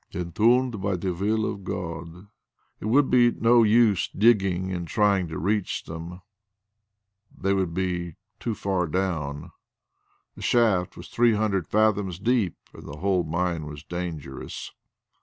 "Entombed by the will of God." It would be no use digging and trying to reach them; they would be too far down; the shaft was three hundred fathoms deep and the whole mine was dangerous.